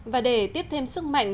và để tiếp thêm sức mạnh